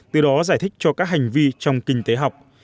từ đó giải thích cho các hành vi trong kinh tế học